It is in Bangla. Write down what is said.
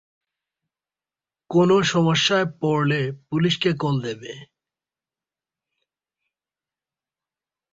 কোনো সমস্যায় পড়লে, পুলিশকে কল দেবে।